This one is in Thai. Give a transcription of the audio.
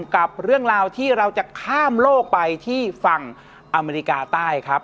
กับเรื่องราวที่เราจะข้ามโลกไปที่ฝั่งอเมริกาใต้ครับ